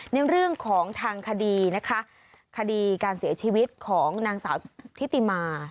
ในเรื่องของทางคดีนะคะคดีการเสียชีวิตของนางสาวทิติมา